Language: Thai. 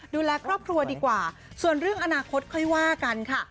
ดูแลครอบครัวดีกว่าส่วนเรื่องอนาคตค่อยว่ากันค่ะ